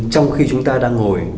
trong khi chúng ta đang ngồi